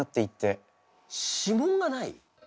指紋がない？